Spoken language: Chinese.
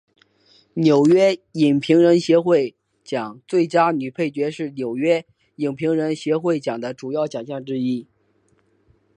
纽约影评人协会奖最佳女配角是纽约影评人协会奖的主要奖项之一。